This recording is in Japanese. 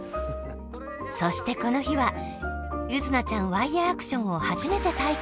そしてこの日は柚凪ちゃんワイヤーアクションをはじめて体験。